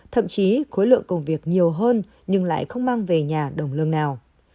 thậm chí khối lượng công việc nhiều hơn nhưng lại không mang về nhà đồng lương nào